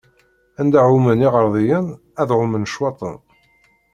Anda ɛummen iɛeṛḍiyen, ay ɛummen ccwaṭen.